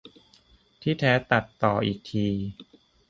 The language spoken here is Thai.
ที่แท้ตัดต่ออีกที